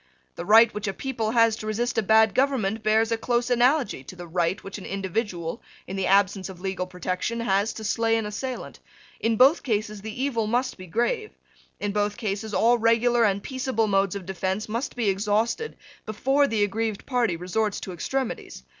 The right which a people has to resist a bad government bears a close analogy to the right which an individual, in the absence of legal protection, has to slay an assailant. In both cases the evil must be grave. In both cases all regular and peaceable modes of defence must be exhausted before the aggrieved party resorts to extremities.